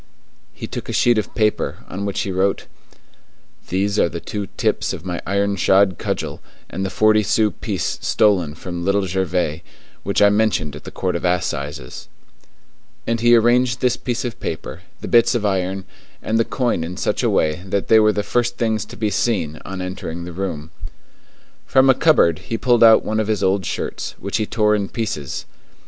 He took a sheet of paper, on which he wrote: "These are the two tips of my iron shod cudgel and the forty sou piece stolen from Little Gervais, which I mentioned at the Court of Assizes," and he arranged this piece of paper, the bits of iron, and the coin in such a way that they were the first things to be seen on entering the room. From a cupboard he pulled out one of his old shirts, which he tore in pieces.